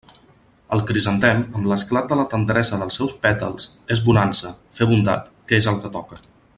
El crisantem, amb l'esclat de la tendresa dels seus pètals és bonança, fer bondat, que és el que toca.